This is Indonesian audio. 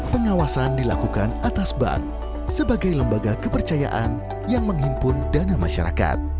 pengawasan dilakukan atas bank sebagai lembaga kepercayaan yang menghimpun dana masyarakat